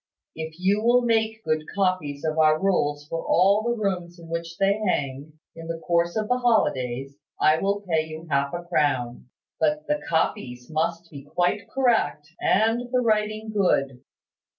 If you will make good copies of our rules for all the rooms in which they hang, in the course of the holidays, I will pay you half a crown. But the copies must be quite correct, and the writing good.